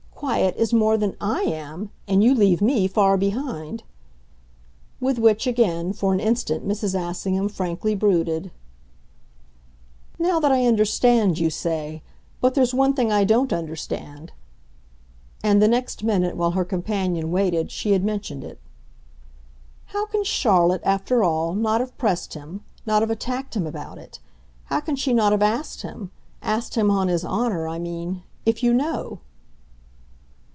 'Quiet' is more than I am, and you leave me far behind." With which, again, for an instant, Mrs. Assingham frankly brooded. "'Now that I understand,' you say but there's one thing I don't understand." And the next minute, while her companion waited, she had mentioned it. "How can Charlotte, after all, not have pressed him, not have attacked him about it? How can she not have asked him asked him on his honour, I mean if you know?"